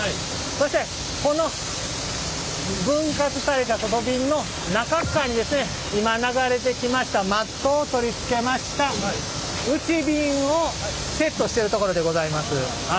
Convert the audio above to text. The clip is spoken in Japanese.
そしてこの分割された外びんの中っかわに今流れてきましたマットを取り付けました内びんをセットしてるところでございます。